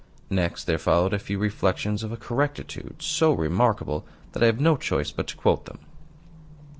Next there followed a few reflections of a correctitude so remarkable that I have no choice but to quote them.